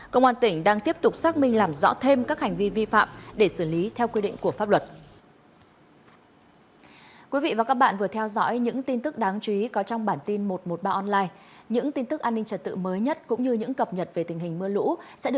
công an tỉnh đang tiếp tục xác minh làm rõ thêm các hành vi vi phạm để xử lý theo quy định của pháp luật